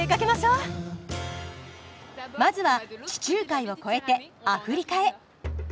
まずは地中海を越えてアフリカへ！